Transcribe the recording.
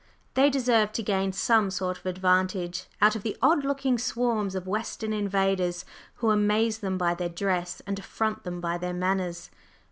They deserve to gain some sort of advantage out of the odd looking swarms of Western invaders who amaze them by their dress and affront them by their manners.